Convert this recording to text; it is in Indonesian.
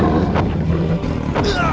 dia berada di luar sana